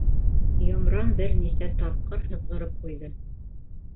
Йомран бер нисә тапҡыр һыҙғырып ҡуйҙы.